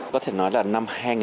có thể nói là năm hai nghìn một mươi